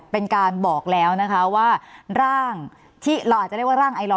เป็นการบอกแล้วนะคะว่าร่างที่เราอาจจะเรียกว่าร่างไอลอ